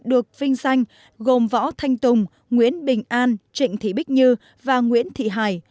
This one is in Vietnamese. được vinh danh gồm võ thanh tùng nguyễn bình an trịnh thị bích như và nguyễn thị hải